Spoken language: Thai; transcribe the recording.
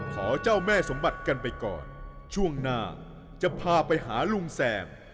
ขอเจ้าแม่สมบัติกันไปก่อนช่วงหน้าจะพาไปหาลุงแสบ